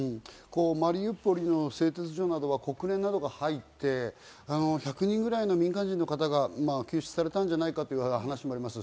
マリウポリの製鉄所などは国連などが入って、１００人くらいの民間人の方が救出されたんじゃないかという話もあります。